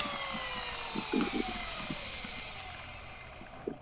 他是父亲的次子。